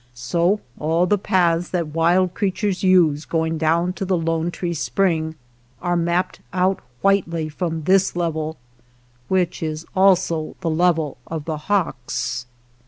So all the paths that wild creatures use going down to the Lone Tree Spring are mapped out whitely from this level, which is also the level of the hawks.